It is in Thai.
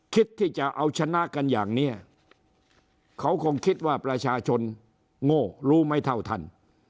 คิดที่จะเอาชนะกันอย่างนี้เขาคงคิดว่าประชาชนโง่รู้ไม่เท่าท่าน